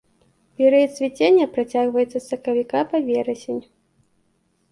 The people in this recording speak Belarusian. Перыяд цвіцення працягваецца з сакавіка па верасень.